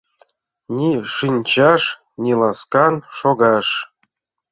Ни шинчаш, ни ласкан шогаш.